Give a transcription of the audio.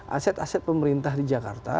aset aset pemerintah di jakarta